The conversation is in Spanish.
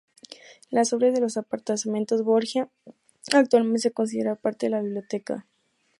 Las obras en los Apartamentos Borgia actualmente se consideran parte de la Biblioteca Vaticana.